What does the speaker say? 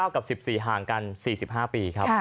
กับ๑๔ห่างกัน๔๕ปีครับ